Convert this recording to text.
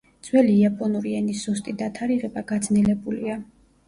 ძველი იაპონური ენის ზუსტი დათარიღება გაძნელებულია.